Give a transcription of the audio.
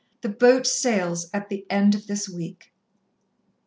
The boat sails at the end of this week."